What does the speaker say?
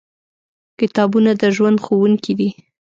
کتابونه د ژوند ښوونکي دي.